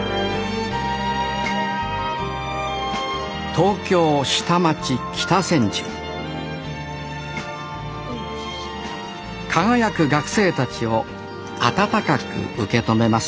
東京下町北千住輝く学生たちを温かく受け止めます